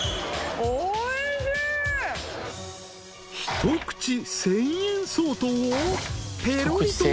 ［一口１，０００円相当をぺろりと。